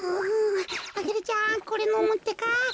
アゲルちゃんこれのむってか。